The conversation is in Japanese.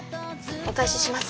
お返しします。